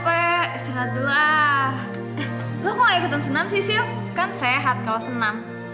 eh lo kok gak ikutan senam sih sil kan sehat kalau senam